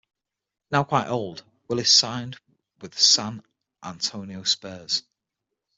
Now quite old, Willis signed with the San Antonio Spurs.